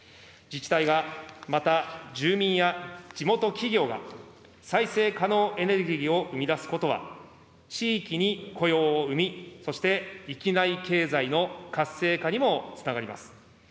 自治体が、また住民や地元企業が、再生可能エネルギーを生み出すことは、地域に雇用を生み、そして域内経済の活性化にもつながります。